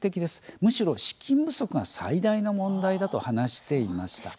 むしろ資金不足が最大の問題だと話していました。